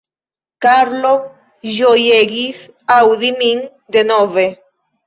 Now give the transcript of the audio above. Karlo ĝojegis aŭdi min denove.